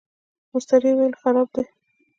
مستري وویل خراب دی.